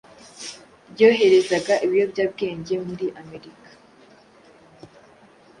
ryoherezaga ibiyobyabwenge muri Amerika